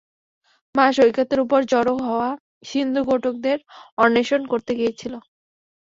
মা সৈকতের উপর জড়ো হওয়া সিন্ধুঘোটকদের অন্বেষণ করতে গিয়েছিল।